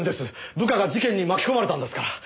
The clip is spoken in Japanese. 部下が事件に巻き込まれたんですから。